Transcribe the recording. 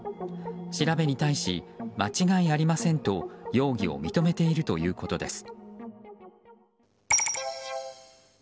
調べに対し、間違いありませんと容疑を認めているということです。